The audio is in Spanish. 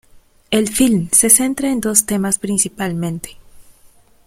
El film se centra en dos temas principalmente.